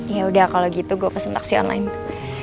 yaudah kalo gitu gue pesen taksi online